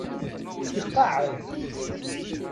Iqeɛɛed.